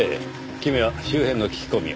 君は周辺の聞き込みを。